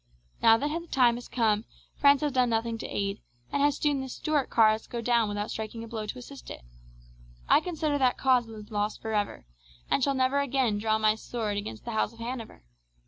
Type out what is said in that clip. Now that the time has come, France has done nothing to aid, and has seen the Stuart cause go down without striking a blow to assist it. I consider that cause is lost for ever, and shall never again draw my sword against the House of Hanover.